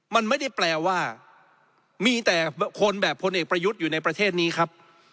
มันไม่ได้แปลว่ามีแต่คนแบบพลเอกประยุทธ์อยู่ในประเทศนี้ครับ